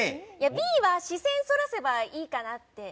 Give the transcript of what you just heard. Ｂは、視線をそらせばいいかなって。